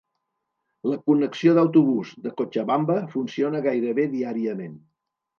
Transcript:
La connexió d'autobús de Cochabamba funciona gairebé diàriament.